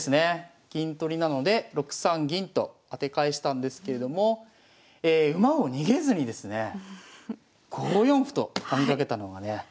銀取りなので６三銀と当て返したんですけれども馬を逃げずにですね５四歩と畳みかけたのがね